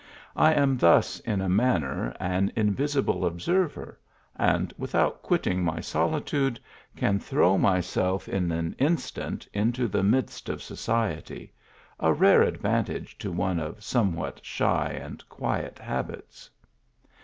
I am thus, in a manner, an invisible ob server, and without quitting my solitude, can throw myself in an instant into the midst of society a rare advantage to one of somewhat shy and quiet habits.